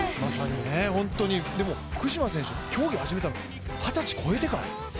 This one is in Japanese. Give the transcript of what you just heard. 福島選手、競技始めたの二十歳越えてから。